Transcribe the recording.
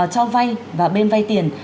cho vay và bên vay tiền